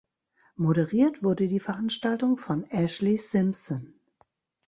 Moderiert wurde die Veranstaltung von Ashlee Simpson.